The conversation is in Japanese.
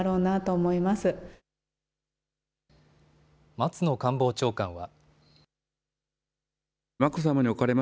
松野官房長官は。